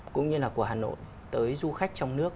cũng như là của hà nội tới du khách trong nước